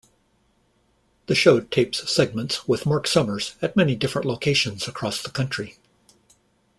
The show tapes segments with Marc Summers at many different locations across the country.